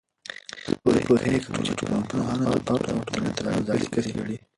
زه پوهیږم چې ټولنپوهنه د فرد او ټولنې ترمنځ اړیکه څیړي.